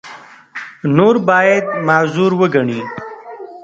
نور باید معذور وګڼي.